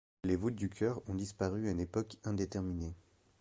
Les voûtes du chœur ont disparu à une époque indéterminé.